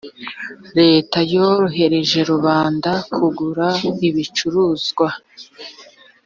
leta yorohereje rubanda kugura ibicuruzwa